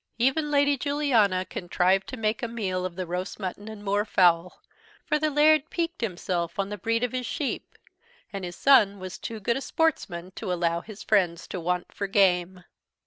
Even Lady Juliana contrived to make a meal of the roast mutton and moorfowl; for the Laird piqued himself on the breed of his sheep, and his son was to good a sportsman to allow his friends to want for game.